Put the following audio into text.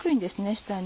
下に。